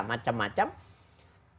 maka dia akan mengatakan